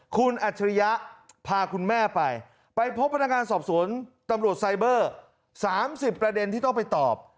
คุณอัจฉริยะพาคุณแม่ไปไปพบพนักงานสอบสวนตำรวจไซเบอร์๓๐ประเด็นที่ต้องไปตอบ